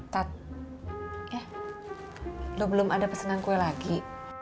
lo belum ada pesanan kue lagi